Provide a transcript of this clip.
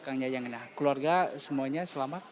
keluarga semuanya selamat